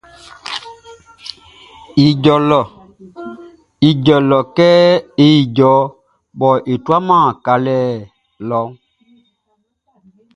Ijɔ lɔ Ijɔ kɛ e ijɔ lɔ e tuaman sika.